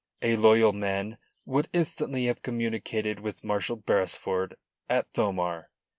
A loyal man would instantly have communicated with Marshal Beresford at Thomar.